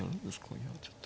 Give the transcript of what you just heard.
いやちょっと。